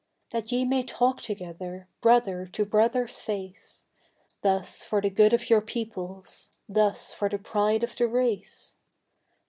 That ye may talk together, brother to brother's face Thus for the good of your peoples thus for the Pride of the Race.